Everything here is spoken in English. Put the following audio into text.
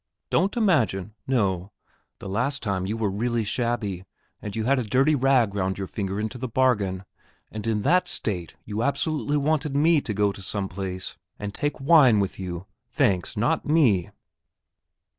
Don't imagine ... no; the last time you were really shabby, and you had a dirty rag round your finger into the bargain; and in that state you absolutely wanted me to go to some place, and take wine with you thanks, not me!"